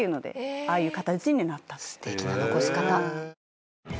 すてきな残し方。